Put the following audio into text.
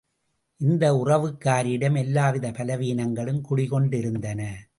இந்த உறவுக்காரியிடம் எல்லாவித பலவீனங்களும் குடி கொண்டிருந்தன.